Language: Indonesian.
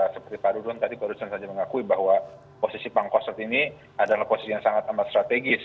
seperti pak dudun tadi barusan saja mengakui bahwa posisi pangkostrat ini adalah posisi yang sangat amat strategis